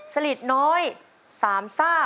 สลิดน้อยสามซ่า